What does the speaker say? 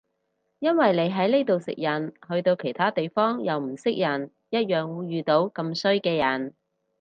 因為你喺呢度食人去到其他地方又唔識人一樣會遇到咁衰嘅人